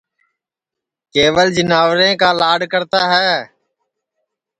کیول جیناورے کا لاڈؔ کرتا ہے